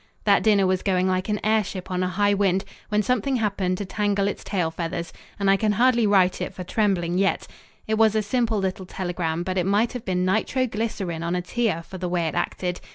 That dinner was going like an airship on a high wind, when something happened to tangle its tail feathers, and I can hardly write it for trembling yet. It was a simple little telegram, but it might have been nitro glycerine on a tear for the way it acted.